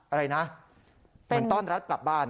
อะไรนะเหมือนต้อนรับกลับบ้าน